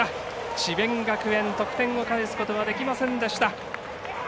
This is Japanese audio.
智弁学園得点を返すことができません。